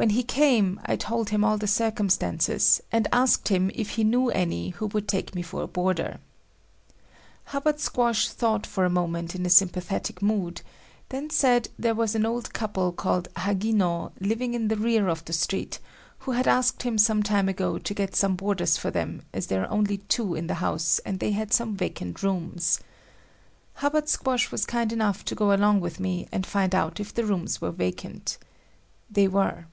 When he came I told him all the circumstances, and asked him if he knew any who would take me for a boarder. Hubbard Squash thought for a moment in a sympathetic mood, then said there was an old couple called Hagino, living in the rear of the street, who had asked him sometime ago to get some boarders for them as there are only two in the house and they had some vacant rooms. Hubbard Squash was kind enough to go along with me and find out if the rooms were vacant. They were.